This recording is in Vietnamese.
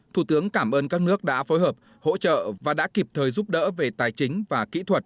thủ tướng cảm ơn các nước đã phối hợp hỗ trợ và đã kịp thời giúp đỡ về tài chính và kỹ thuật